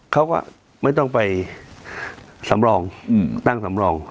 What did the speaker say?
เขาก็ไม่ต้องไปสำรองตั้งสำรอง